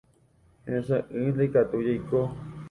Heseʼỹ ndaikatúi jaiko.